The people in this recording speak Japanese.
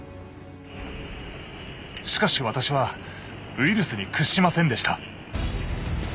しかし私はウイルスに屈しませんでした。